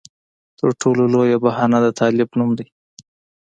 تر ټولو لویه بهانه د طالب نوم دی.